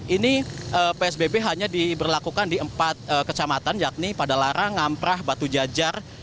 ini psbb hanya diberlakukan di empat kecamatan yakni padalarang ampra batu jajar